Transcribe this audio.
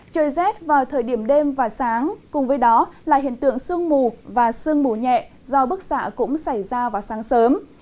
trời rét vào thời điểm đêm và sáng cùng với đó là hiện tượng sương mù và sương mù nhẹ do bức xạ cũng xảy ra vào sáng sớm